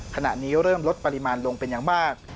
ขณะนี้เริ่มลดปริมาณลงเป็นอย่างมาก